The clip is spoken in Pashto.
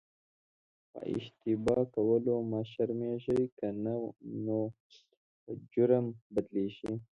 په اشتباه کولو مه شرمېږه که نه نو په جرم بدلیږي.